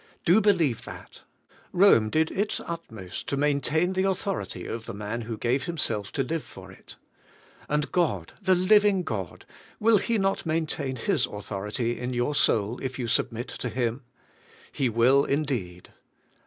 Do be lieve that. Rome did its utmost to maintain the authority of the man who gave himself to live for 68 THE KINGDOM FIRST it. And God, the living God, will He not main tain liis authority in your soul if you submit to Him? He will, indeed.